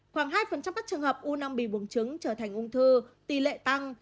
khoảng hai trong các trường hợp u năng bị buồn trứng trở thành ung thư tỷ lệ tăng